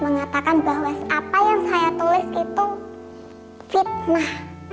mengatakan bahwa apa yang saya tulis itu fitnah